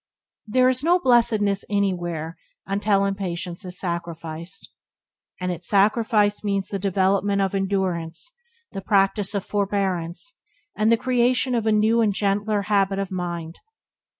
There is no blessedness anywhere until impatience is sacrificed; and its sacrifice means the development of endurance, the practice of forbearance, and the creation of a new and gentler habit of mind.